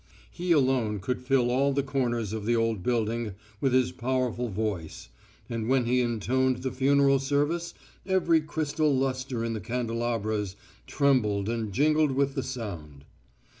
He alone could fill all the corners of the old building with his powerful voice, and when he intoned the funeral service every crystal lustre in the candelabras trembled and jingled with the sound.